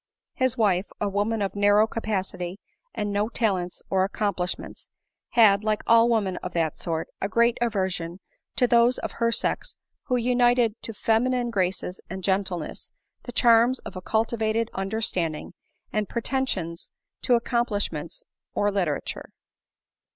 His wife, a woman of narrow capacity and no talents or accom plishments, had, like all women of that sort, a great aver sion to those of her sex who united to feminine graces and gentleness, the charms of & cultivated understanding, and pretensions to accomplishments or literature.